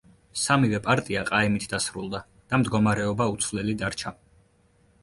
სამივე პარტია ყაიმით დასრულდა და მდგომარეობა უცვლელი დარჩა.